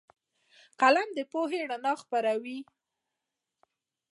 قلم د پوهې رڼا خپروي